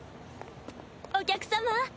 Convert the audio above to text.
お客様。